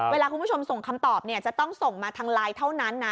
เวลาคุณผู้ชมส่งคำตอบเนี่ยจะต้องส่งมาทางไลน์เท่านั้นนะ